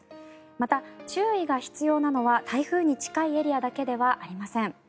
また、注意が必要なのは台風に近いエリアだけではありません。